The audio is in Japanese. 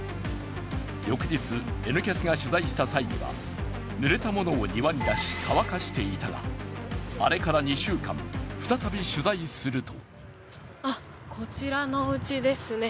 翌日、「Ｎキャス」が取材した際にはぬれたものを庭に出し乾かしていたがあれから２週間、再び取材するとあっ、こちらのお家ですね。